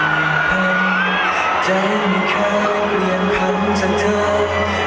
เหมือนเพิ่มใจไม่เข้าเหมือนคำฉันเธอคนนี้